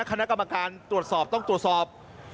คณะกรรมการตรวจสอบต้องตรวจสอบ